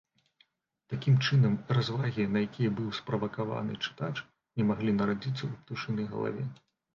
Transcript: Такім чынам, развагі, на якія быў справакаваны чытач, не маглі нарадзіцца ў птушынай галаве.